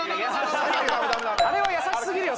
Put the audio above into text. あれは優しすぎるよ